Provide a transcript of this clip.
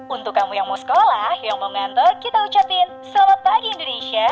untuk kamu yang mau sekolah yang mau ngantor kita ucapin selamat pagi indonesia